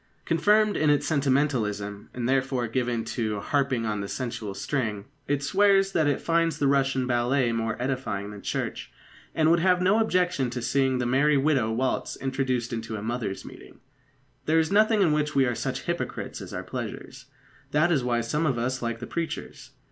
Confirmed in its sentimentalism and therefore given to "harping on the sensual string" it swears that it finds the Russian ballet more edifying than church, and would have no objection to seeing the Merry Widow waltz introduced into a mothers' meeting. There is nothing in which we are such hypocrites as our pleasures. That is why some of us like the preachers.